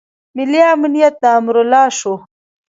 ملي امنیت د امرالله شو.